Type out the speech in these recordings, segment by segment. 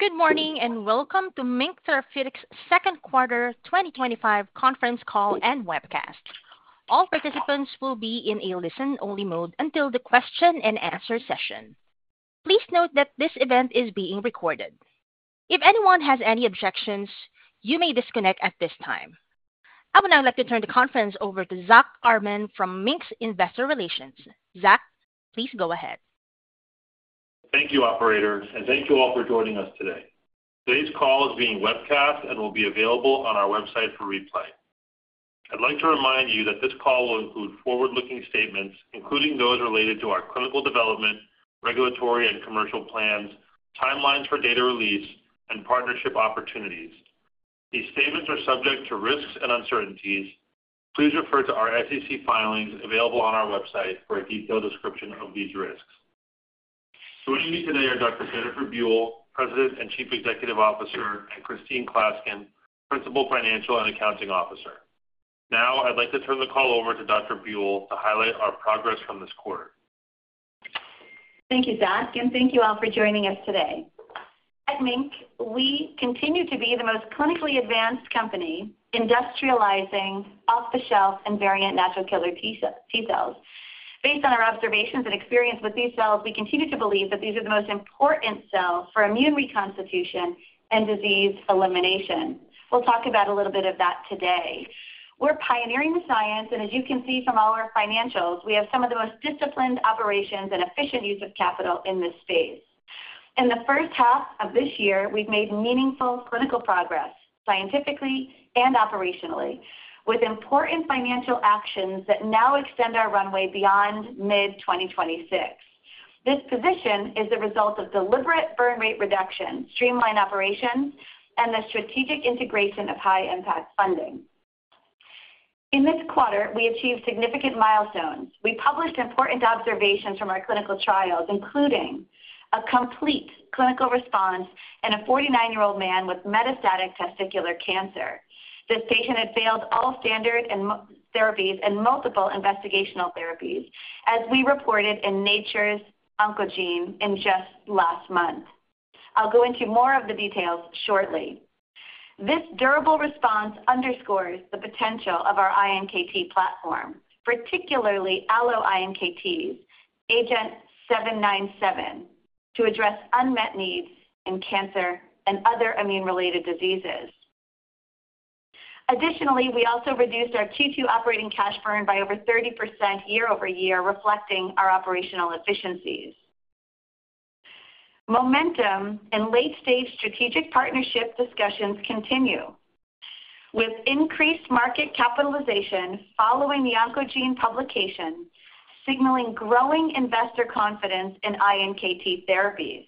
Good morning and welcome to MiNK Therapeutics' Second Quarter 2025 Conference Call and Webcast. All participants will be in a listen-only mode until the question-and-answer session. Please note that this event is being recorded. If anyone has any objections, you may disconnect at this time. I would now like to turn the conference over to Zack Armen from MiNK's Investor Relations. Zack, please go ahead. Thank you, operators, and thank you all for joining us today. Today's call is being webcast and will be available on our website for replay. I'd like to remind you that this call will include forward-looking statements, including those related to our clinical development, regulatory and commercial plans, timelines for data release, and partnership opportunities. These statements are subject to risks and uncertainties. Please refer to our SEC filings available on our website for a detailed description of these risks. Joining me today are Dr. Jennifer Buell, President and Chief Executive Officer, and Christine Klaskin, Principal Financial and Accounting Officer. Now, I'd like to turn the call over to Dr. Buell to highlight our progress from this quarter. Thank you, Zack, and thank you all for joining us today. At MiNK, we continue to be the most clinically advanced company, industrializing off-the-shelf invariant natural killer T cells. Based on our observations and experience with these cells, we continue to believe that these are the most important cells for immune reconstitution and disease elimination. We'll talk about a little bit of that today. We're pioneering the science, and as you can see from all our financials, we have some of the most disciplined operations and efficient use of capital in this space. In the first half of this year, we've made meaningful clinical progress scientifically and operationally, with important financial actions that now extend our runway beyond mid-2026. This position is the result of deliberate burn rate reduction, streamlined operations, and the strategic integration of high-impact funding. In this quarter, we achieved significant milestones. We published important observations from our clinical trials, including a complete clinical response in a 49-year-old man with metastatic testicular cancer. This patient had failed all standard therapies and multiple investigational therapies, as we reported in Nature’s Oncogene just last month. I'll go into more of the details shortly. This durable response underscores the potential of our iNKT platform, particularly allo-iNKTs, agenT-797, to address unmet needs in cancer and other immune-related diseases. Additionally, we also reduced our Q2 operating cash burn by over 30% year-over-year, reflecting our operational efficiencies. Momentum in late-stage strategic partnership discussions continues, with increased market capitalization following the Oncogene publication, signaling growing investor confidence in iNKT therapies.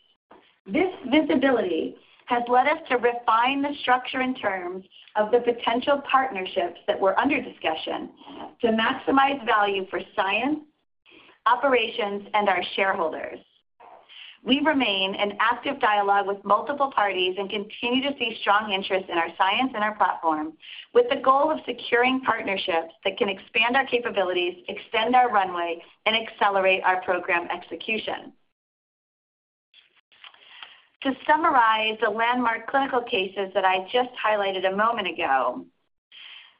This visibility has led us to refine the structure and terms of the potential partnerships that were under discussion to maximize value for science, operations, and our shareholders. We remain in active dialogue with multiple parties and continue to see strong interest in our science and our platform, with the goal of securing partnerships that can expand our capabilities, extend our runway, and accelerate our program execution. To summarize the landmark clinical cases that I just highlighted a moment ago,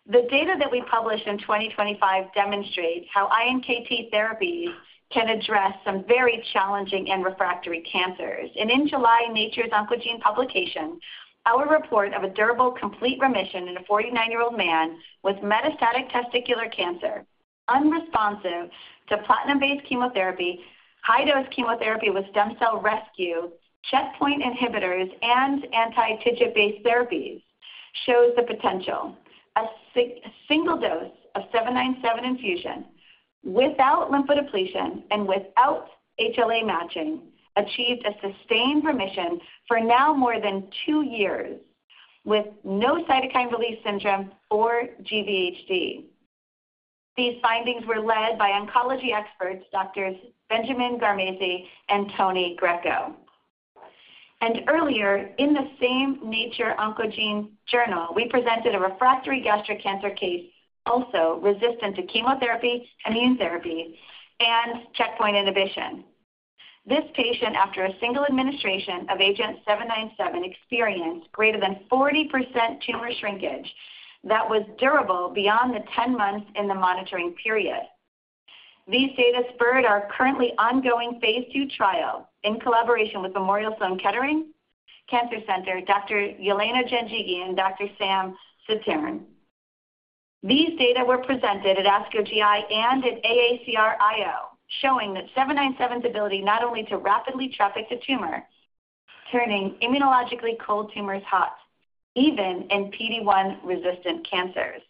the data that we published in 2025 demonstrate how iNKT therapies can address some very challenging and refractory cancers. In July, Nature’s Oncogene publication, our report of a durable complete remission in a 49-year-old man with metastatic testicular cancer, unresponsive to platinum-based chemotherapy, high-dose chemotherapy with stem cell rescue, checkpoint inhibitors, and anti-TIGIT-based therapies, shows the potential. A single dose of 797 infusion, without lymphodepletion and without HLA matching, achieved a sustained remission for now more than two years, with no cytokine release syndrome or GvHD. These findings were led by oncology experts, Dr.Benjamin Garmezy and Tony Greco. Earlier, in the same Nature’s Oncogene journal, we presented a refractory gastric cancer case, also resistant to chemotherapy, immune therapy, and checkpoint inhibition. This patient, after a single administration of agenT-797, experienced greater than 40% tumor shrinkage that was durable beyond the 10 months in the monitoring period. These data spurred our currently ongoing phase 2 trial in collaboration with Memorial Sloan Kettering Cancer Center, Dr. Yelena Janjigian, and Dr. Sam Sutheran. These data were presented at ASCO GI and at AACR IO, showing that 797's ability not only to rapidly traffic the tumor, turning immunologically cold tumors hot, even in PD-1 resistant cancers.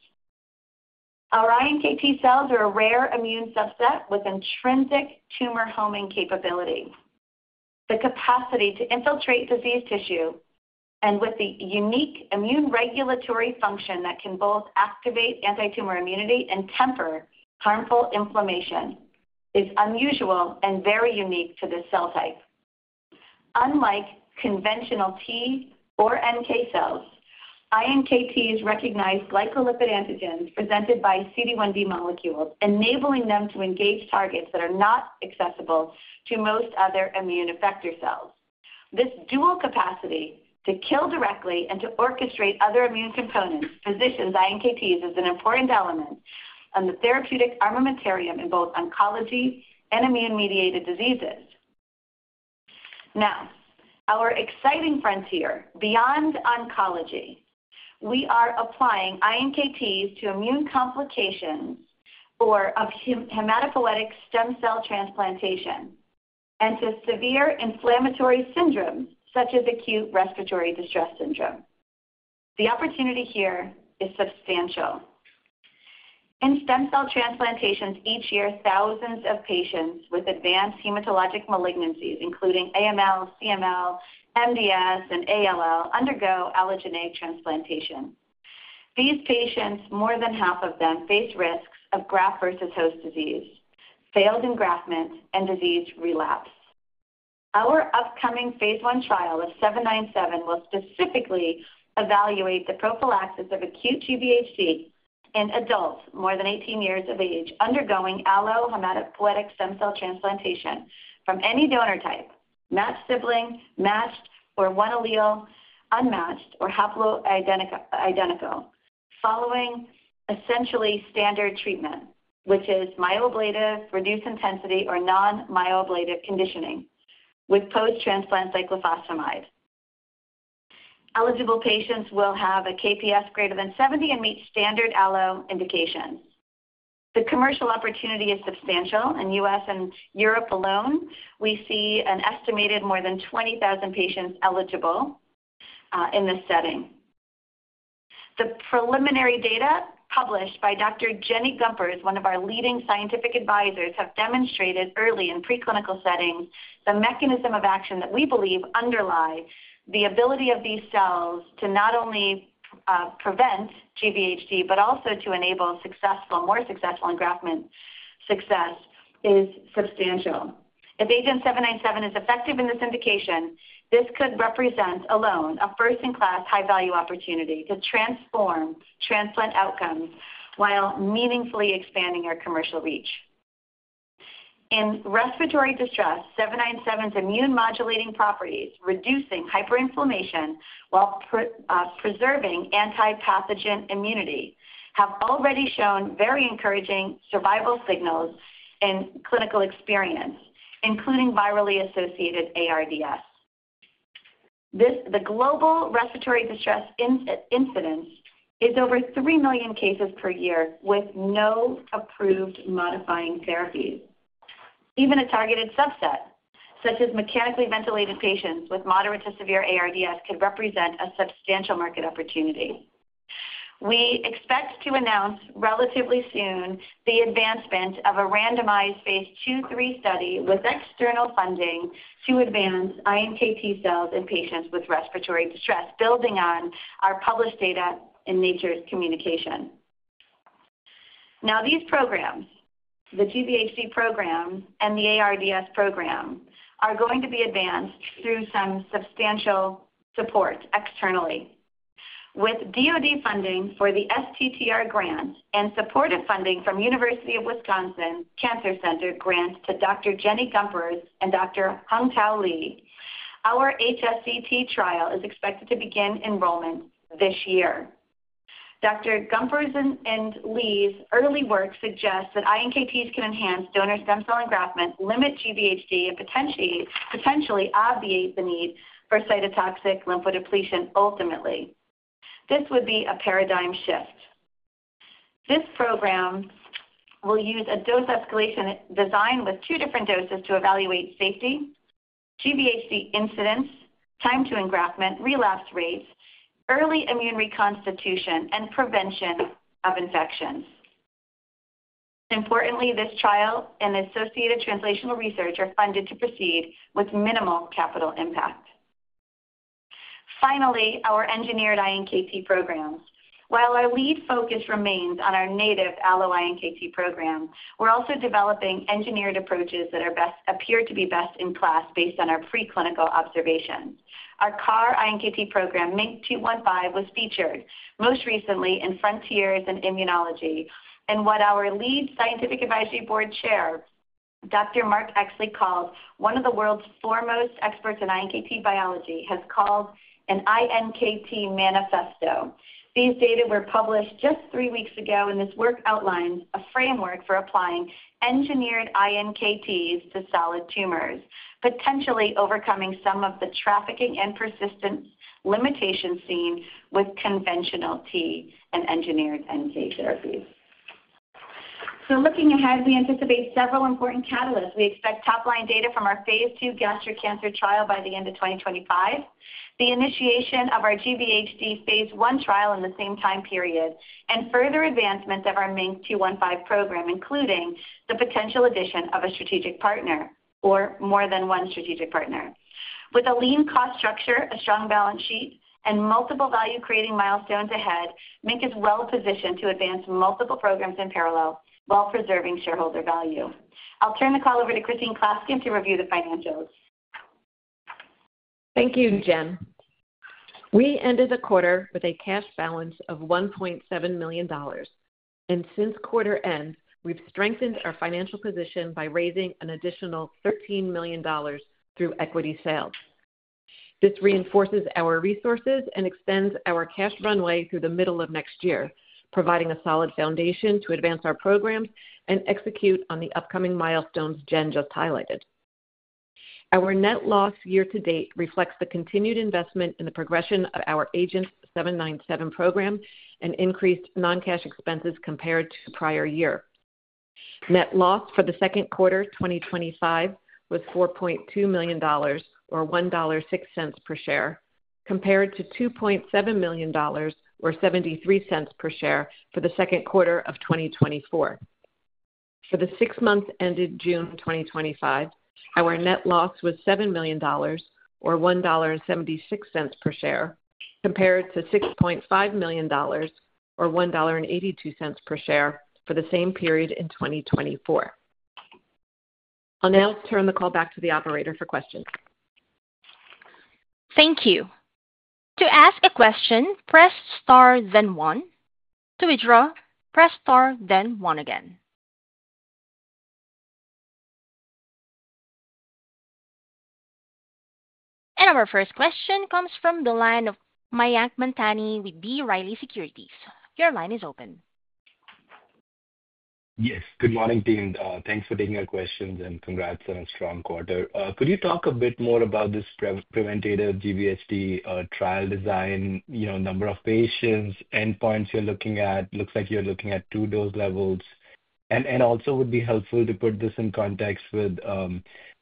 Our iNKT cells are a rare immune subset with intrinsic tumor homing capability. The capacity to infiltrate disease tissue and with the unique immune regulatory function that can both activate anti-tumor immunity and temper harmful inflammation is unusual and very unique to this cell type. Unlike conventional T or NK cells, iNKTs recognize glycolipid antigens presented by CD1B molecules, enabling them to engage targets that are not accessible to most other immune effector cells. This dual capacity to kill directly and to orchestrate other immune components positions iNKTs as an important element on the therapeutic armamentarium in both oncology and immune-mediated diseases. Now, our exciting frontier beyond oncology, we are applying iNKTs to immune complications or hematopoietic stem cell transplantation and to severe inflammatory syndromes such as Acute Respiratory Distress Syndrome. The opportunity here is substantial. In stem cell transplantations each year, thousands of patients with advanced hematologic malignancies, including AML, CML, MDS, and ALL, undergo allogeneic transplantation. These patients, more than half of them, face risks of graft-versus-host disease, failed engraftment, and disease relapse. Our upcoming phase 1 trial with 797 will specifically evaluate the prophylaxis of acute GvHD in adults more than 18 years of age undergoing allogeneic hematopoietic stem cell transplantation from any donor type, matched sibling, matched or one allele, unmatched or haploidentical, following essentially standard treatment, which is myeloablative, reduced intensity, or non-myeloablative conditioning with post-transplant cyclophosphamide. Eligible patients will have a KPS greater than 70 and meet standard allo-indication. The commercial opportunity is substantial in the U.S. and Europe alone. We see an estimated more than 20,000 patients eligible in this setting. The preliminary data published by Dr.Jenny Gumperz, one of our leading scientific advisors, has demonstrated early in preclinical settings the mechanism of action that we believe underlies the ability of these cells to not only prevent GvHD, but also to enable successful, more successful engraftment. Success is substantial. If agenT-797 is effective in this indication, this could represent alone a first-in-class high-value opportunity to transform transplant outcomes while meaningfully expanding our commercial reach. In respiratory distress, 797's immune-modulating properties, reducing hyperinflammation while preserving anti-pathogen immunity, have already shown very encouraging survival signals in clinical experience, including virally associated ARDS. The global respiratory distress incidence is over 3 million cases per year with no approved modifying therapies. Even a targeted subset, such as mechanically ventilated patients with moderate to severe ARDS, could represent a substantial market opportunity. We expect to announce relatively soon the advancement of a randomized phase 2/3 study with external funding to advance iNKT cells in patients with respiratory distress, building on our published data in Nature’s Communication. Now, these programs, the GvHD program and the ARDS program, are going to be advanced through some substantial support externally. With DoD funding for the STTR grant and supportive funding from the University of Wisconsin Cancer Center grant to Dr. Jenny Gumperz and Dr. Hung Tao Lee, our HSCT trial is expected to begin enrollment this year. Dr. Gumperz's and Lee's early work suggests that iNKTs can enhance donor stem cell engraftment, limit GvHD, and potentially obviate the need for cytotoxic lymphodepletion ultimately. This would be a paradigm shift. This program will use a dose escalation design with two different doses to evaluate safety, GvHD incidence, time to engraftment, relapse rates, early immune reconstitution, and prevention of infections. Importantly, this trial and associated translational research are funded to proceed with minimal capital impact. Finally, our engineered iNKT program. While our lead focus remains on our native allo-iNKT program, we're also developing engineered approaches that appear to be best in class based on our preclinical observations. Our CAR-iNKT program, MiNK-215, was featured most recently in Frontiers in Immunology, and what our lead Scientific Advisory Board Chair, Dr. Mark Exley, calls one of the world's foremost experts in iNKT biology, has called an iNKT manifesto. These data were published just three weeks ago, and this work outlines a framework for applying engineered iNKTs to solid tumors, potentially overcoming some of the trafficking and persistent limitations seen with conventional T and engineered NK therapies. Looking ahead, we anticipate several important catalysts. We expect top-line data from our phase 2 gastric cancer trial by the end of 2025, the initiation of our GvHD phase 1 trial in the same time period, and further advancement of our MiNK-215 program, including the potential addition of a strategic partner or more than one strategic partner. With a lean cost structure, a strong balance sheet, and multiple value-creating milestones ahead, MiNK is well-positionedd to advance multiple programs in parallel while preserving shareholder value. I'll turn the call over to Christine Klaskin to review the financials. Thank you, Jen. We ended the quarter with a cash balance of $1.7 million, and since quarter end, we've strengthened our financial position by raising an additional $13 million through equity sales. This reinforces our resources and extends our cash runway through the middle of next year, providing a solid foundation to advance our programs and execute on the upcoming milestones Jen just highlighted. Our net loss year to date reflects the continued investment in the progression of our agenT-797 program and increased non-cash expenses compared to the prior year. Net loss for the second quarter 2025 was $4.2 million or $1.06 per share, compared to $2.7 million or $0.73 per share for the second quarter of 2024. For the six months ended June 2025, our net loss was $7 million or $1.76 per share, compared to $6.5 million or $1.82 per share for the same period in 2024. I'll now turn the call back to the operator for questions. Thank you. To ask a question, press star then one. To withdraw, press star then one again. Our first question comes from the line of Mayank Mamtani with B. Riley Securities. Your line is open. Yes, good morning, Team. Thanks for taking our questions and congrats on a strong quarter. Could you talk a bit more about this preventative GvHD trial design, you know, number of patients, endpoints you're looking at? It looks like you're looking at two dose levels. It would also be helpful to put this in context with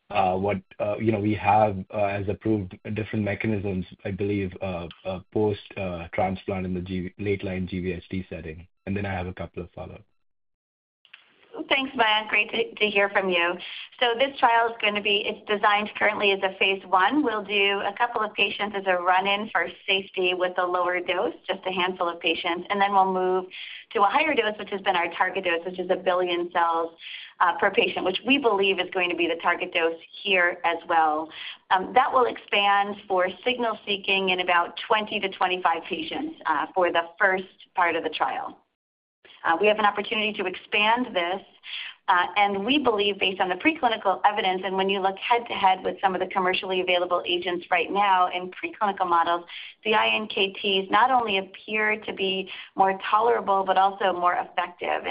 what we have as approved different mechanisms, I believe, post-transplant in the late-line GvHD setting. I have a couple of follow-ups. Thank you, Mayank. Great to hear from you. This trial is going to be, it's designed currently as a phase 1. We'll do a couple of patients as a run-in for safety with a lower dose, just a handful of patients. Then we'll move to a higher dose, which has been our target dose, which is a billion cells per patient, which we believe is going to be the target dose here as well. That will expand for signal seeking in about 20-25 patients for the first part of the trial. We have an opportunity to expand this, and we believe, based on the preclinical evidence, and when you look head-to-head with some of the commercially available agents right now in preclinical models, the iNKTs not only appear to be more tolerable, but also more effective.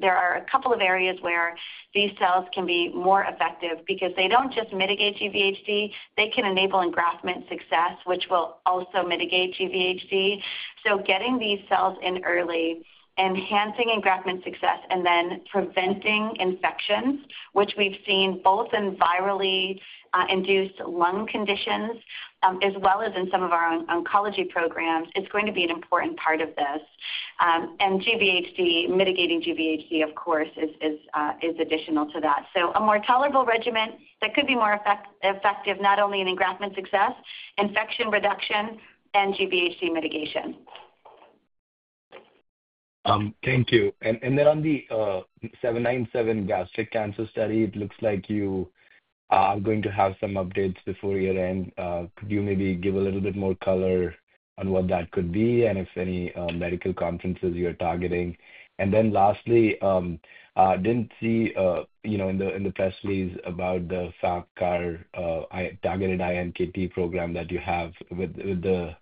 There are a couple of areas where these cells can be more effective because they don't just mitigate GvHD, they can enable engraftment success, which will also mitigate GvHD. Getting these cells in early, enhancing engraftment success, and then preventing infections, which we've seen both in virally induced lung conditions, as well as in some of our oncology programs, is going to be an important part of this. GvHD, mitigating GvHD, of course, is additional to that. A more tolerable regimen that could be more effective, not only in engraftment success, infection reduction, and GvHD mitigation. Thank you. On the 797 gastric cancer study, it looks like you are going to have some updates before year end. Could you maybe give a little bit more color on what that could be and if any medical conferences you're targeting? Lastly, I didn't see in the press release about the FAP-CAR-iNKT program that you have with the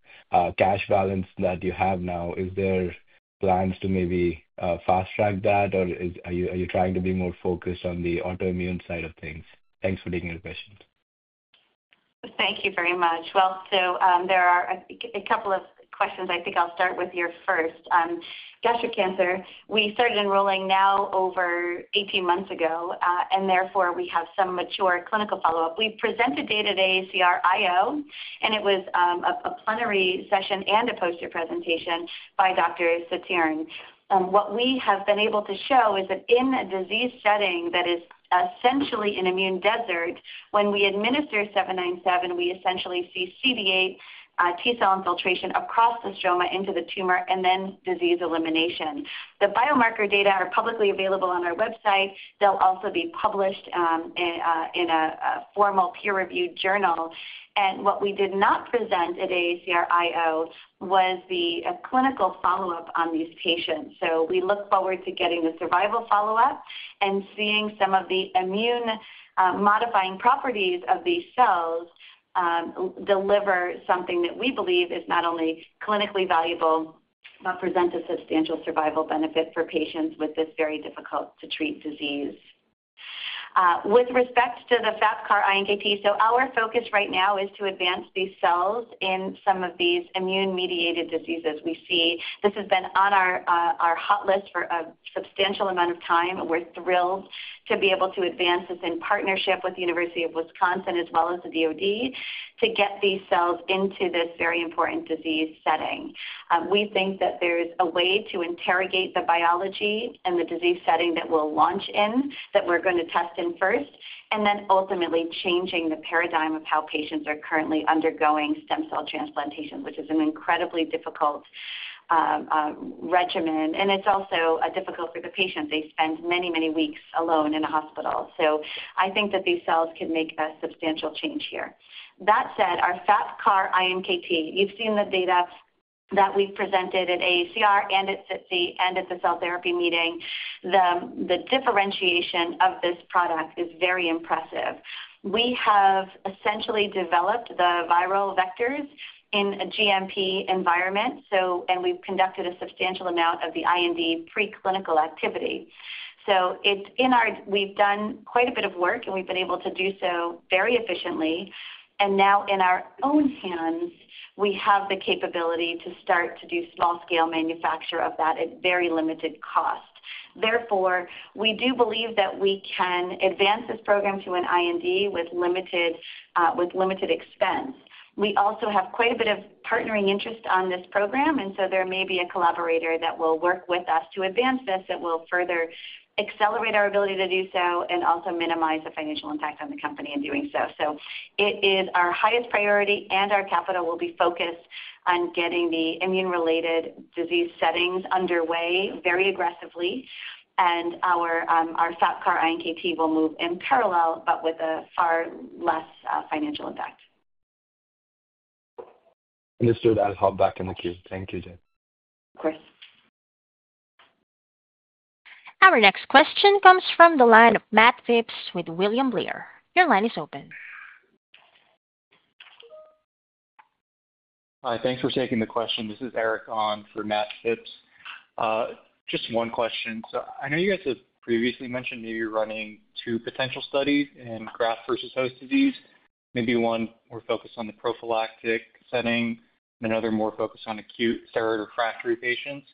cash balance that you have now. Is there plans to maybe fast-track that, or are you trying to be more focused on the autoimmune side of things? Thanks for taking your question. Thank you very much. There are a couple of questions. I think I'll start with your first. Gastric cancer, we started enrolling now over 18 months ago, and therefore we have some mature clinical follow-up. We presented data at AACR IO, and it was a plenary session and a poster presentation by Dr. Sutheran. What we have been able to show is that in a disease setting that is essentially an immune desert, when we administer 797, we essentially see CD8 T cell infiltration across the stroma into the tumor and then disease elimination. The biomarker data are publicly available on our website. They'll also be published in a formal peer-reviewed journal. What we did not present at AACR IO was the clinical follow-up on these patients. We look forward to getting the survival follow-up and seeing some of the immune-modulating properties of these cells deliver something that we believe is not only clinically valuable, but presents a substantial survival benefit for patients with this very difficult-to-treat disease. With respect to the FAP-CAR-iNKT, our focus right now is to advance these cells in some of these immune-mediated diseases. We see this has been on our hot list for a substantial amount of time. We're thrilled to be able to advance this in partnership with the University of Wisconsin Cancer Center, as well as the DoD, to get these cells into this very important disease setting. We think that there's a way to interrogate the biology in the disease setting that we'll launch in, that we're going to test in first, and ultimately changing the paradigm of how patients are currently undergoing stem cell transplantation, which is an incredibly difficult regimen. It's also difficult for the patient. They spend many, many weeks alone in a hospital. I think that these cells can make a substantial change here. That said, our FAP-CAR-iNKT, you've seen the data that we've presented at AACR and at SITC and at the cell therapy meeting. The differentiation of this product is very impressive. We have essentially developed the viral vectors in a GMP environment, and we've conducted a substantial amount of the IND preclinical activity. We've done quite a bit of work, and we've been able to do so very efficiently. Now in our own hands, we have the capability to start to do small-scale manufacture of that at very limited cost. Therefore, we do believe that we can advance this program to an IND with limited expense. We also have quite a bit of partnering interest on this program, and there may be a collaborator that will work with us to advance this that will further accelerate our ability to do so and also minimize the financial impact on the company in doing so. It is our highest priority, and our capital will be focused on getting the immune-related disease settings underway very aggressively. Our FAP-CAR-iNKT will move in parallel, but with less financial impact. Understood. I'll hop back in the queue. Thank you, Jen. Our next question comes from the line of Matt Phipps with William Blair. Your line is open. Hi, thanks for taking the question. This is Eric on for Matt Phipps. Just one question. I know you guys have previously mentioned maybe running two potential studies in graft-versus-host disease, maybe one more focused on the prophylactic setting and another more focused on acute steroid or graft-free patients.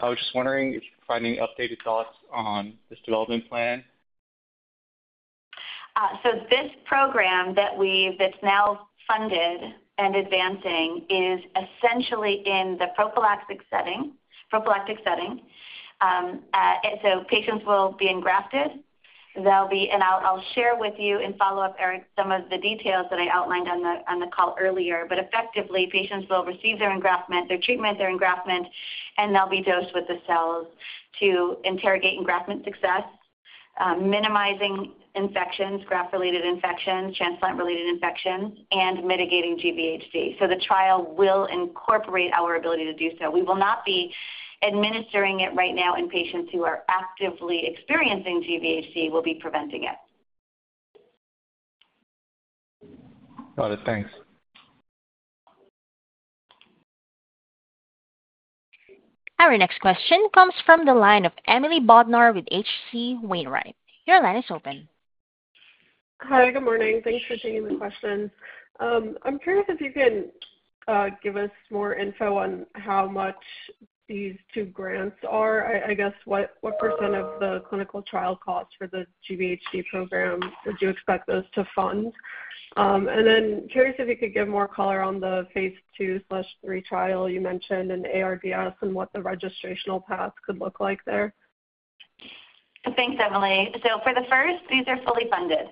I was just wondering if you're finding updated thoughts on this development plan. This program that's now funded and advancing is essentially in the prophylactic setting. Patients will be engrafted. I'll share with you in follow-up, Eric, some of the details that I outlined on the call earlier. Effectively, patients will receive their engraftment, their treatment, their engraftment, and they'll be dosed with the cells to interrogate engraftment success, minimizing infections, graft-related infections, transplant-related infections, and mitigating GvHD. The trial will incorporate our ability to do so. We will not be administering it right now in patients who are actively experiencing GvHD. We'll be preventing it. Got it. Thanks. Our next question comes from the line of Emily Bodnar with H.C. Wainwright. Your line is open. Hi, good morning. Thanks for taking the question. I'm curious if you can give us more info on how much these two grants are. I guess what percent of the clinical trial costs for the GvHD program would you expect us to fund? I'm curious if you could give more color on the phase 2/3 trial you mentioned in ARDS and what the registrational path could look like there. Thanks, Emily. For the first, these are fully funded.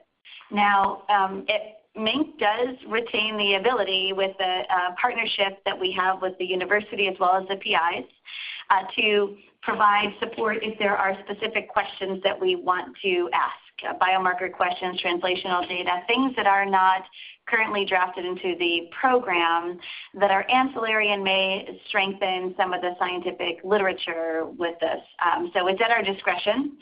MiNK does retain the ability with the partnership that we have with the university as well as the PIs to provide support if there are specific questions that we want to ask, biomarker questions, translational data, things that are not currently drafted into the program that are ancillary and may strengthen some of the scientific literature with this. It is at our discretion.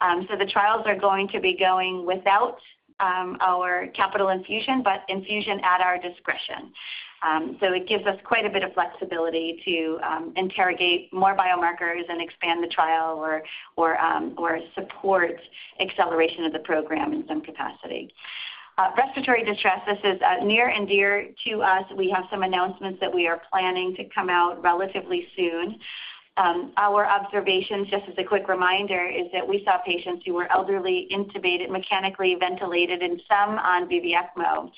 The trials are going to be going without our capital infusion, but infusion at our discretion. It gives us quite a bit of flexibility to interrogate more biomarkers and expand the trial or support acceleration of the program in some capacity. Respiratory distress, this is near and dear to us. We have some announcements that we are planning to come out relatively soon. Our observations, just as a quick reminder, are that we saw patients who were elderly, intubated, mechanically ventilated, and some on VV-ECMO.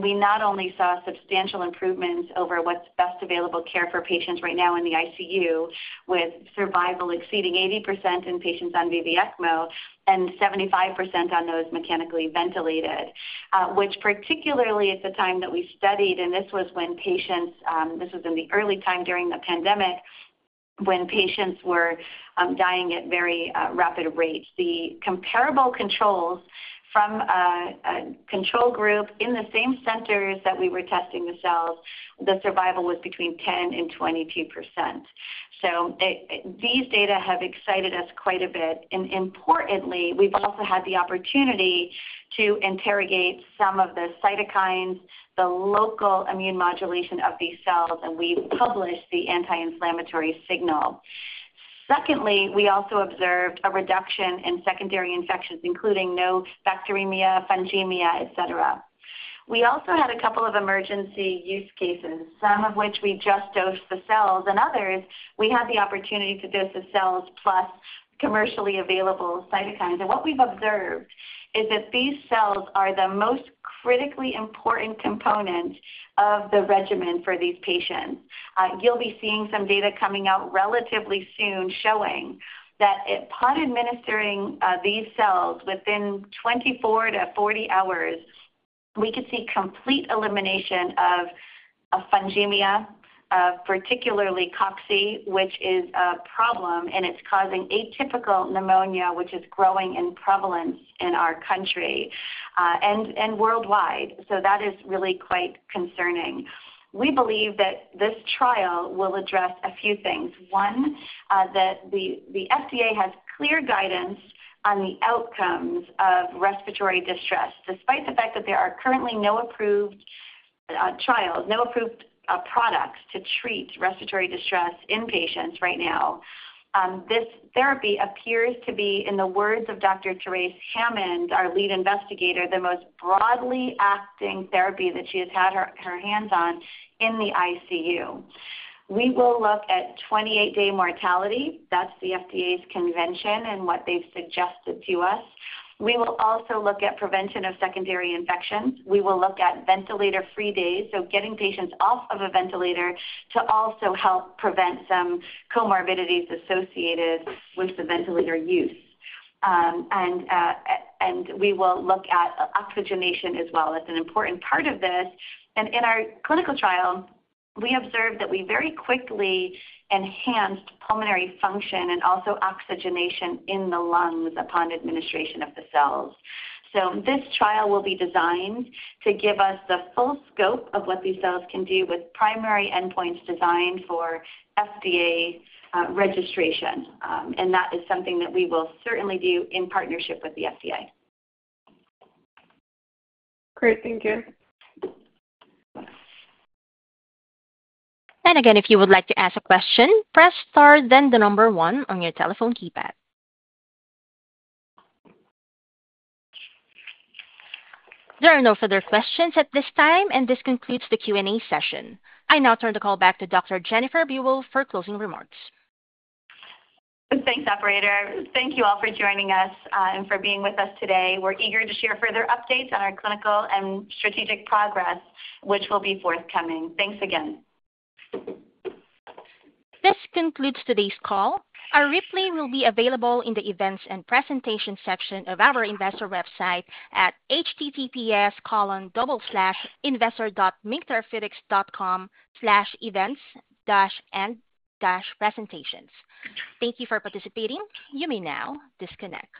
We not only saw substantial improvements over what's best available care for patients right now in the ICU, with survival exceeding 80% in patients on VV-ECMO and 75% on those mechanically ventilated, which particularly at the time that we studied, and this was when patients, this was in the early time during the pandemic, when patients were dying at very rapid rates. The comparable control from a control group in the same centers that we were testing the cells, the survival was between 10% and 22%. These data have excited us quite a bit. Importantly, we've also had the opportunity to interrogate some of the cytokines, the local immune modulation of these cells, and we've published the anti-inflammatory signal. Secondly, we also observed a reduction in secondary infections, including no bacteremia, fungemia, etc. We also had a couple of emergency use cases, some of which we just dosed the cells, and others we had the opportunity to dose the cells plus commercially available cytokines. What we've observed is that these cells are the most critically important component of the regimen for these patients. You'll be seeing some data coming out relatively soon showing that upon administering these cells within 24-40 hours, we could see complete elimination of a fungemia, particularly cocci, which is a problem, and it's causing atypical pneumonia, which is growing in prevalence in our country and worldwide. That is really quite concerning. We believe that this trial will address a few things. One, that the FDA has clear guidance on the outcomes of respiratory distress. Despite the fact that there are currently no approved trials, no approved products to treat respiratory distress in patients right now, this therapy appears to be, in the words of Dr. Terese Hammond, our lead investigator, the most broadly acting therapy that she has had her hands on in the ICU. We will look at 28-day mortality. That's the FDA's convention and what they've suggested to us. We will also look at prevention of secondary infections. We will look at ventilator-free days, getting patients off of a ventilator to also help prevent some comorbidities associated with the ventilator use. We will look at oxygenation as well. That's an important part of this. In our clinical trial, we observed that we very quickly enhanced pulmonary function and also oxygenation in the lungs upon administration of the cells. This trial will be designed to give us the full scope of what these cells can do with primary endpoints designed for FDA registration. That is something that we will certainly do in partnership with the FDA. Great. Thank you. If you would like to ask a question, press star then the number one on your telephone keypad. There are no further questions at this time, and this concludes the Q&A session. I now turn the call back to Dr. Jennifer Buell for closing remarks. Thanks, operator. Thank you all for joining us and for being with us today. We're eager to share further updates on our clinical and strategic progress, which will be forthcoming. Thanks again. This concludes today's call. Our replay will be available in the Events and Presentations section of our investor website at https://investor.minktherapeutics.com/events-and-presentations. Thank you for participating. You may now disconnect.